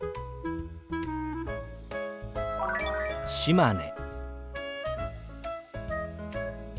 「島根」。